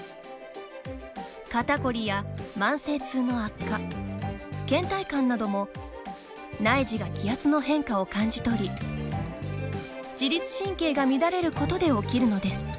肩こりや、慢性痛の悪化けん怠感なども内耳が気圧の変化を感じ取り自律神経が乱れることで起きるのです。